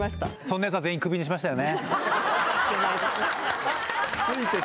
そんなやつは全員クビにしましたよねしてないです